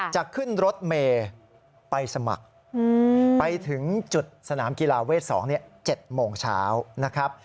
จะขึ้นรถเมย์ไปสมัครไปถึงจุดสนามกีฬาเวท๒๗โมงเช้านะครับ